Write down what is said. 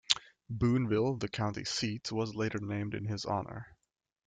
Boonville, the county seat, was later named in his honor.